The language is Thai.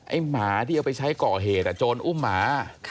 หมาที่เอาไปใช้ก่อเหตุโจรอุ้มหมา